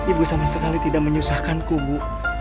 ibu sama sekali tidak menyusahkanku bu